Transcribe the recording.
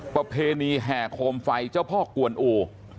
ประเพณีแห่โคมไฟเจ้าพ่อกวนอู